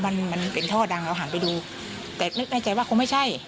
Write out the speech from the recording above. มันมันเป็นท่อดังเราหันไปดูแต่นึกในใจว่าคงไม่ใช่